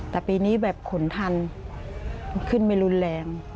แต่ปีนี้แบบขนทันขึ้นไม่รุนแรง